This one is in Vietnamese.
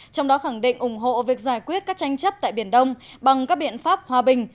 trong đó khẳng định ủng hộ việc giải quyết các tranh chấp tại biển đông bằng các biện pháp hòa bình